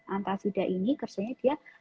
antasida ini terserahnya dia